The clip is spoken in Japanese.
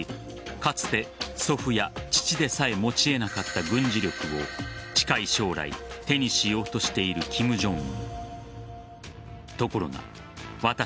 かつて祖父や父でさえ持ち得なかった軍事力を近い将来手にしようとしている金正恩。